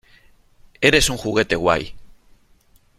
Eres un juguete guay .